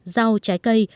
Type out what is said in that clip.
rau trái cây